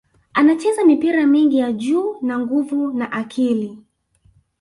Anacheza mipira mingi ya juu na nguvu na akili